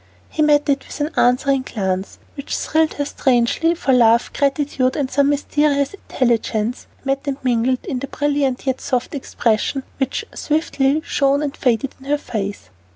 He met it with an answering glance, which thrilled her strangely, for love, gratitude, and some mysterious intelligence met and mingled in the brilliant yet soft expression which swiftly shone and faded in her face.